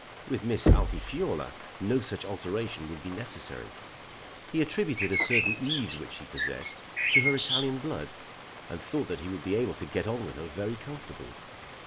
With Miss Altifiorla no such alteration would be necessary. He attributed a certain ease which she possessed to her Italian blood, and thought that he would be able to get on with her very comfortably.